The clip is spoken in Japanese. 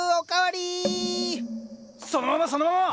そのままそのまま！